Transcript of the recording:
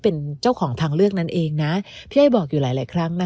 เป็นเจ้าของทางเลือกนั้นเองนะพี่ไอ้บอกอยู่หลายหลายครั้งนะ